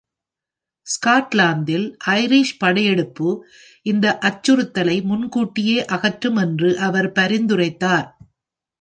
ஸ்காட்லாந்தில் Irish படையெடுப்பு இந்த அச்சுறுத்தலை முன்கூட்டியே அகற்றும் என்று அவர் பரிந்துரைத்தார்.